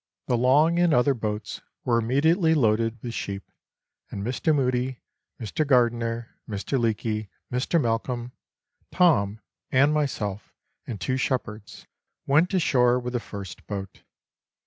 The long and other boats were immediately loaded with sheep, and Mr. Mudie, Mr. Gardiner, Mr. Leake, Mr. Malcolm, Tom, and myself and two shepherds, went ashore with the first boat.